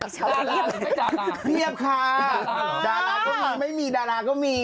ดาราก็มีไม่มีดาราก็มี